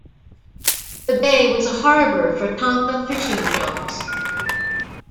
The bay was a harbour for Tanka fishing junks.